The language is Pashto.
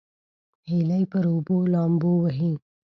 هیلۍ پر اوبو لامبو وهي